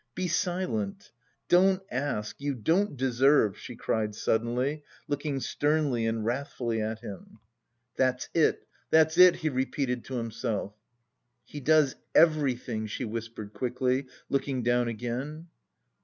"Be silent! Don't ask! You don't deserve!" she cried suddenly, looking sternly and wrathfully at him. "That's it, that's it," he repeated to himself. "He does everything," she whispered quickly, looking down again.